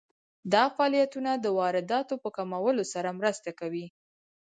دا فعالیتونه د وارداتو په کمولو کې مرسته کوي.